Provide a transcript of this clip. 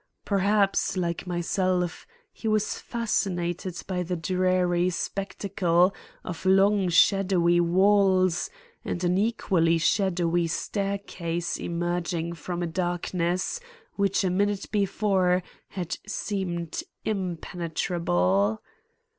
Perhaps, like myself, he was fascinated by the dreary spectacle of long shadowy walls and an equally shadowy staircase emerging from a darkness which a minute before had seemed impenetrable.